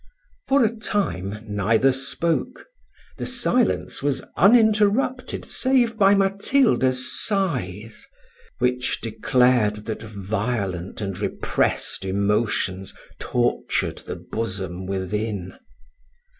For a time neither spoke: the silence was uninterrupted, save by Matilda's sighs, which declared that violent and repressed emotions tortured the bosom within.